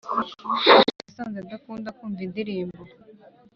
nasanze adakunda kumva indirimbo